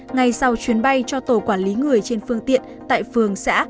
ngay sau chuyến bay cho tổ quản lý người trên phương tiện tại phường xã